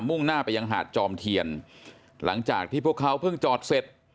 ่งหน้าไปยังหาดจอมเทียนหลังจากที่พวกเขาเพิ่งจอดเสร็จ